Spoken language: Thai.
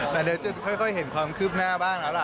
แต่เดี๋ยวจะค่อยเห็นความคืบหน้าบ้างแล้วล่ะ